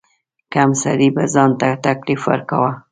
کم سړي به ځان ته تکلیف ورکاوه.